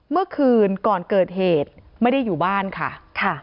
เมื่อคืนก่อนเกิดเหตุไม่ได้อยู่บ้านค่ะ